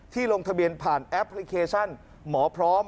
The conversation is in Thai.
ลงทะเบียนผ่านแอปพลิเคชันหมอพร้อม